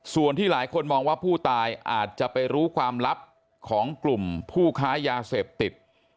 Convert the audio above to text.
ส่วนที่หลายคนมองว่าผู้ตายอาจจะไปรู้ความลับของกลุ่มผู้ค้ายาเสพติด